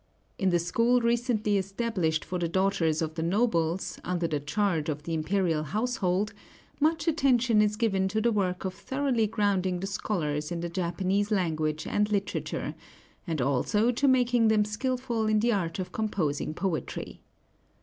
In the school recently established for the daughters of the nobles, under the charge of the imperial household, much attention is given to the work of thoroughly grounding the scholars in the Japanese language and literature, and also to making them skillful in the art of composing poetry.